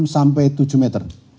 enam sampai tujuh meter